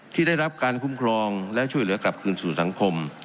ที่ได้รับการคุ้มครองและช่วยเหลือกลับคืนสู่สังคม